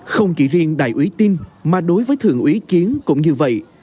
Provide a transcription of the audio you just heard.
không chỉ riêng đại ủy tin mà đối với thượng ủy kiến cũng như vậy